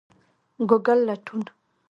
ګوګل لټون